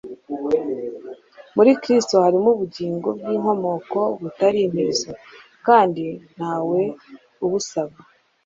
Muri Kristo harimo ubugingo bw'inkomoko butari intizo, kandi ntawe abusaba.